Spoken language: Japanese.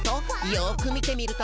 「よく見てみると」